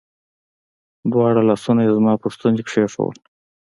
دواړه لاسونه يې زما پر ستوني کښېښوول.